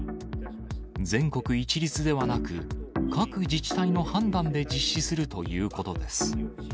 全国一律ではなく、各自治体の判断で実施するということです。